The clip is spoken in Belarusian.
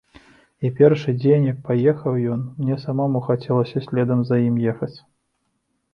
І першы дзень, як паехаў ён, мне самому хацелася следам за ім ехаць.